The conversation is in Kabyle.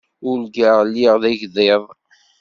Urgaɣ lliɣ d agḍiḍ.